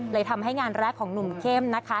ทำให้งานแรกของหนุ่มเข้มนะคะ